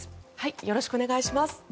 よろしくお願いします。